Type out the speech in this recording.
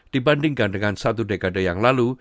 dibandingkan dengan satu dekade yang lalu